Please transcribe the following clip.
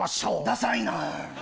ダサいな！